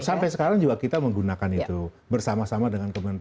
sampai sekarang juga kita menggunakan itu bersama sama dengan kementerian